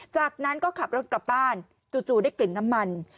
จากนั้นก็ขับรถกลับบ้านจู่ได้กลิ่นน้ำมัน